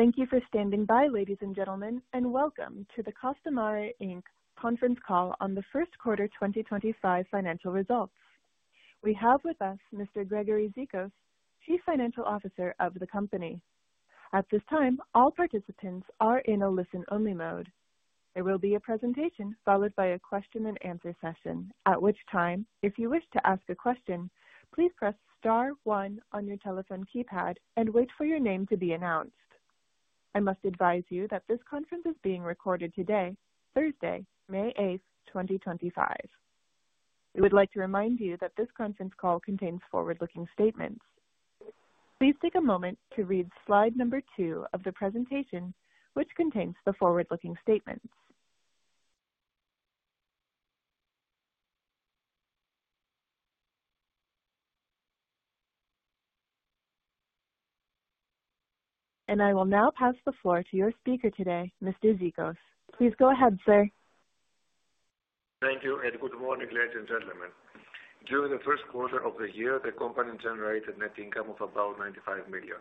Thank you for standing by, ladies and gentlemen, and welcome to the Costamare Inc Conference Call on the First Quarter 2025 Financial Results. We have with us Mr. Gregory Zikos, Chief Financial Officer of the company. At this time, all participants are in a listen-only mode. There will be a presentation followed by a question-and-answer session, at which time, if you wish to ask a question, please press star one on your telephone keypad and wait for your name to be announced. I must advise you that this conference is being recorded today, Thursday, May 8th, 2025. We would like to remind you that this conference call contains forward-looking statements. Please take a moment to read slide number two of the presentation, which contains the forward-looking statements. I will now pass the floor to your speaker today, Mr. Zikos. Please go ahead, sir. Thank you, and good morning, ladies and gentlemen. During the first quarter of the year, the company generated net income of about $95 million.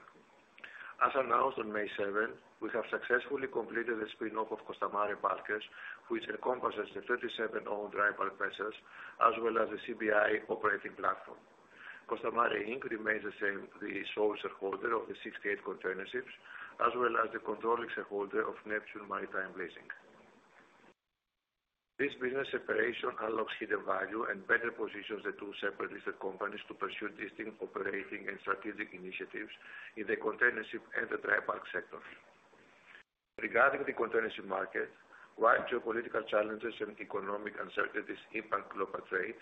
As announced on May 7th, we have successfully completed the spin-off of Costamare Bulkers, which encompasses the 37 owned rival investors, as well as the CBI operating platform. Costamare remains the sole shareholder of the 68 containerships, as well as the controlling shareholder of Neptune Maritime Leasing. This business separation unlocks hidden value and better positions the two separately listed companies to pursue distinct operating and strategic initiatives in the containership and the dry bulk sector. Regarding the containership market, while geopolitical challenges and economic uncertainties impact global trade,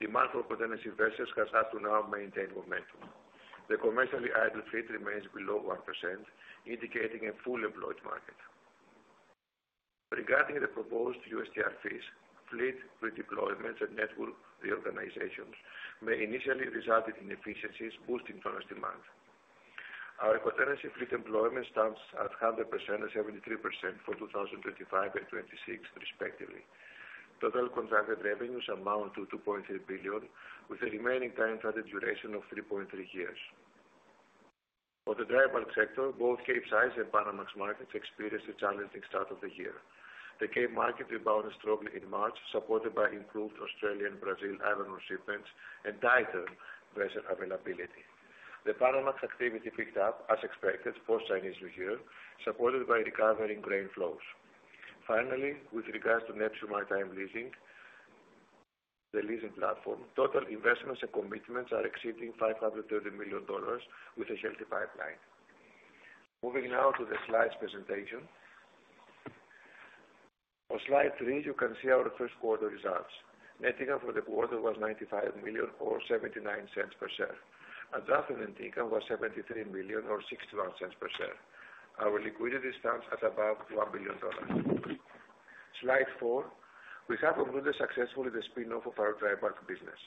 demand for containership investors has had to now maintain momentum. The commercially idle fleet remains below 1%, indicating a fully employed market. Regarding the proposed USTR fees, fleet redeployments and network reorganizations may initially result in efficiencies, boosting commerce demand. Our containership fleet employment stands at 100% and 73% for 2025 and 2026, respectively. Total contracted revenues amount to $2.3 billion, with the remaining time-chartered duration of 3.3 years. For the dry bulk sector, both Capesize and Panamax markets experienced a challenging start of the year. The Cape market rebounded strongly in March, supported by improved Australian and Brazilian iron ore shipments and tighter vessel availability. The Panamax activity picked up, as expected, post-Chinese New Year, supported by recovering grain flows. Finally, with regards to Neptune Maritime Leasing, the leasing platform, total investments and commitments are exceeding $530 million, with a healthy pipeline. Moving now to the slides presentation. On slide three, you can see our first quarter results. Net income for the quarter was $95 million, or $0.79 per share. Adjusted net income was $73 million, or $0.61 per share. Our liquidity stands at about $1 billion. Slide four, we have completed successfully the spin-off of our dry bulk business.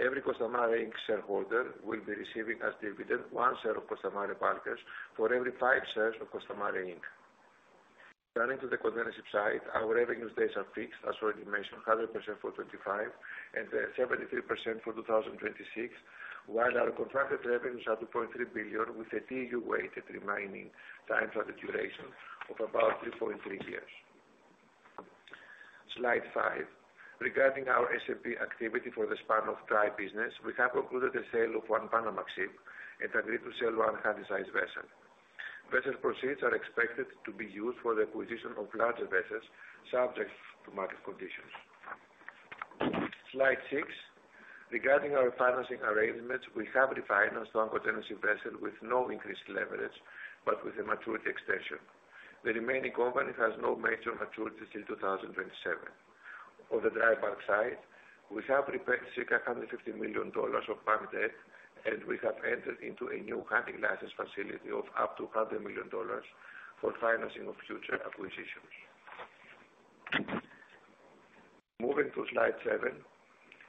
Every Costamare shareholder will be receiving as dividend one share of Costamare Bulkers for every five shares of Costamare. Turning to the containership side, our revenue stays unfixed, as already mentioned, 100% for 2025 and 73% for 2026, while our contracted revenues are $2.3 billion, with a TEU weighted remaining time-charter duration of about 3.3 years. Slide five, regarding our S&P activity for the span of dry business, we have concluded the sale of one Panamax ship and agreed to sell one Handysize vessel. Vessel proceeds are expected to be used for the acquisition of larger vessels subject to market conditions. Slide six, regarding our financing arrangements, we have refinanced one containership vessel with no increased leverage, but with a maturity extension. The remaining company has no major maturities till 2027. On the dry bulk side, we have repaid circa $650 million of bank debt, and we have entered into a new handy-lease facility of up to $100 million for financing of future acquisitions. Moving to slide seven,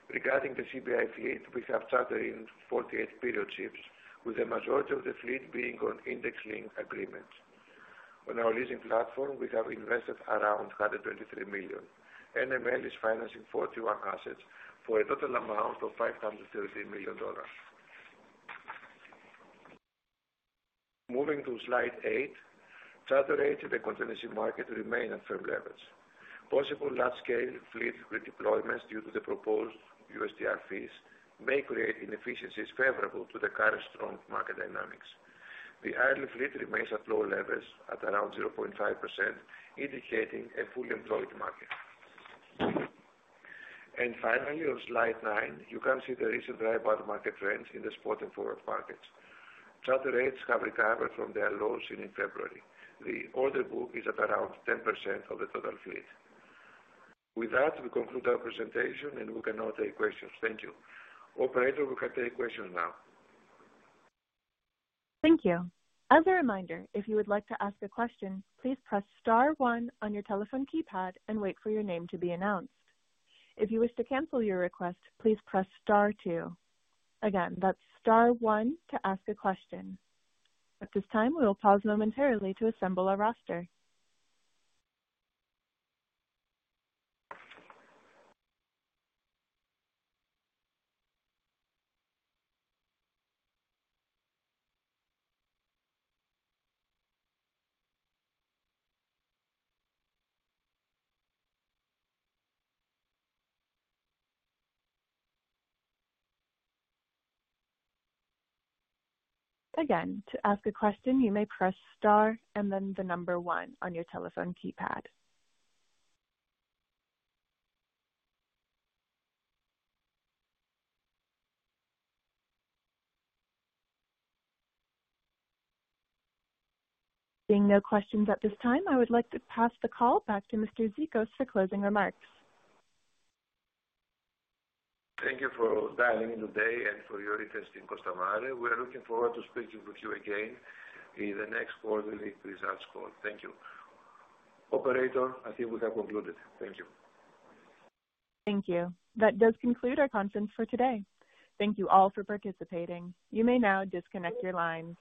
regarding the CBI fleet, we have chartered in 48 period ships, with the majority of the fleet being on index-linked agreements. On our leasing platform, we have invested around $123 million. Neptune Maritime Leasing is financing 41 assets for a total amount of $513 million. Moving to slide eight, charters to the containership market remain at firm levels. Possible large-scale fleet redeployments due to the proposed USTR fees may create inefficiencies favorable to the current strong market dynamics. The idle fleet remains at low levels at around 0.5%, indicating a fully employed market. Finally, on slide nine, you can see the recent dry bulk market trends in the spot and forward markets. Charter rates have recovered from their lows in February. The order book is at around 10% of the total fleet. With that, we conclude our presentation, and we can now take questions. Thank you. Operator, we can take questions now. Thank you. As a reminder, if you would like to ask a question, please press star one on your telephone keypad and wait for your name to be announced. If you wish to cancel your request, please press star two. Again, that's star one to ask a question. At this time, we will pause momentarily to assemble our roster. Again, to ask a question, you may press star and then the number one on your telephone keypad. Seeing no questions at this time, I would like to pass the call back to Mr. Zikos for closing remarks. Thank you for dialing in today and for your interest in Costamare. We are looking forward to speaking with you again in the next quarterly results call. Thank you. Operator, I think we have concluded. Thank you. Thank you. That does conclude our conference for today. Thank you all for participating. You may now disconnect your lines.